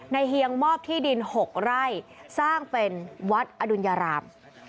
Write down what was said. เฮียงมอบที่ดิน๖ไร่สร้างเป็นวัดอดุญญาราม